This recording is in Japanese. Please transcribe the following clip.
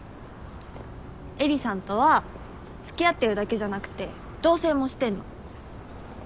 絵里さんとは付き合ってるだけじゃなくて同棲もしてんの。